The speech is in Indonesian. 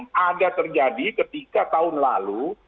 yang ada terjadi ketika tahun lalu